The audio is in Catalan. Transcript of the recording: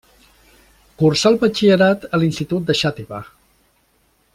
Cursà el batxillerat a l'institut de Xàtiva.